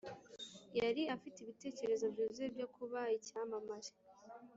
yari afite ibitekerezo byuzuye byo kuba icyamamare,